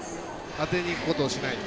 当てにいくことをしない。